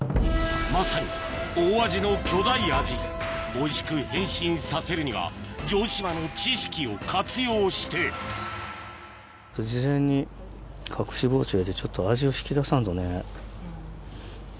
まさに大味の巨大アジおいしく変身させるには城島の知識を活用して事前に隠し包丁入れてちょっと味を引き出さんとね。